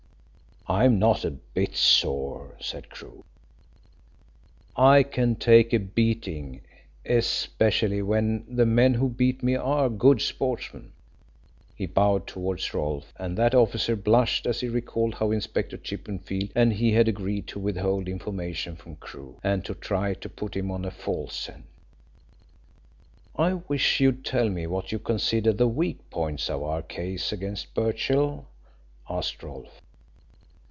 "I'm not a bit sore," said Crewe. "I can take a beating, especially when the men who beat me are good sportsmen." He bowed towards Rolfe, and that officer blushed as he recalled how Inspector Chippenfield and he had agreed to withhold information from Crewe and try to put him on a false scent. "I wish you'd tell me what you consider the weak points of our case against Birchill," asked Rolfe.